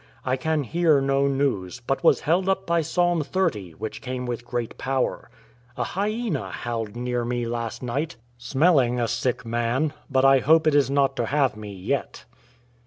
— I can hear no news, but was held up by Psalm xxx, which came with gi'eat power. A hyena howled near me last night, 131 ESCAPE OF A rORTER smelling a sick man, but I hope it is not to have me yet."